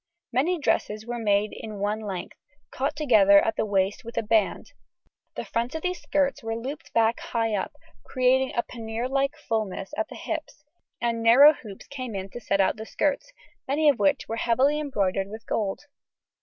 Many dresses were made in one length, caught together at the waist with a band; the fronts of these skirts were looped back high up, creating a pannier like fullness at the hips, and narrow hoops came in to set out the skirts, many of which were heavily embroidered with gold.